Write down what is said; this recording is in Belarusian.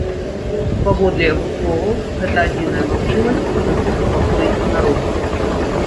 Паводле яго словаў, гэта адзіная магчымасць крыху супакоіць народ.